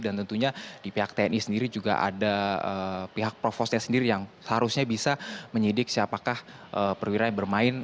dan tentunya di pihak tni sendiri juga ada pihak provosnya sendiri yang seharusnya bisa menyidik siapakah perwira yang bermain